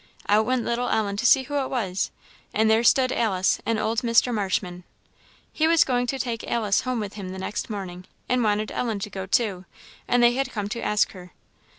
Out went little Ellen to see who it was, and there stood Alice and old Mr. Marshman! He was going to take Alice home with him the next morning, and wanted Ellen to go too; and they had come to ask her.